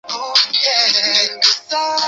此站位于正下方。